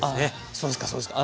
そうですかそうですか。